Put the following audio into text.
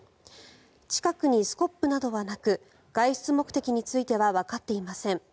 近くにスコップなどはなく外出目的についてはわかっていません。